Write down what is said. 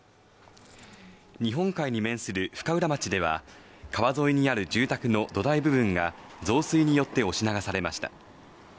日本海に面する深浦町では川沿いにある住宅の土台部分が増水によって押し流されました